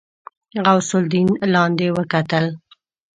غوث الدين لاندې وکتل.